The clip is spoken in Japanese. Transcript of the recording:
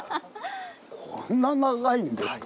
こんな長いんですか。